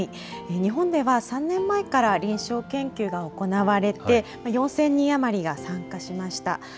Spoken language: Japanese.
日本では３年前から臨床研究が行われて、４０００人余りが参加しました。